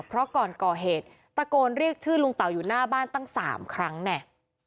เพราะก่อนก่อเหตุตะโกนเรียกชื่อลุงเต่าอยู่หน้าบ้านตั้ง๓ครั้งเนี่ย